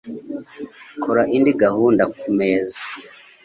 Kora indi gahunda kumeza